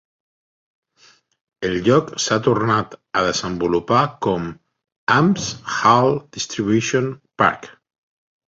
El lloc s'ha tornat a desenvolupar com Hams Hall Distribution Park.